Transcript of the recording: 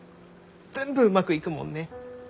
全部うまくいくもんね。